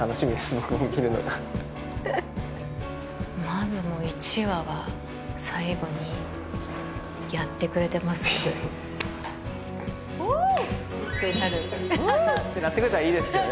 僕も見るのがまずもう一話は最後にやってくれてますよフー！ってなるフー！ってなってくれたらいいですけどね